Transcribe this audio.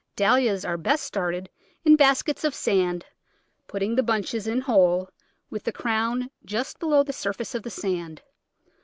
Dahlias are best started in the baskets of sand, putting the bunches in whole, with the crown just be low the surface of the sand.